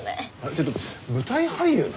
ちょっと舞台俳優なの？